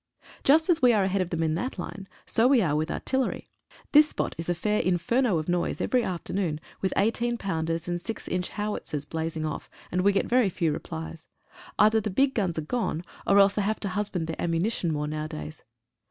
Just as we are ahead of them in that line, so we are with artillery. This spot is a fair inferno of noise every A SEA OF MUD BETWEEN. afternoon, with 18 pounders and 6 inch Howitzers blaz ing off, and we get very few replies. Either the big guns are gone or else they have to husband their ammu nition more nowadays.